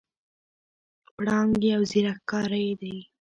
پړانګ یو زیرک ښکاری دی.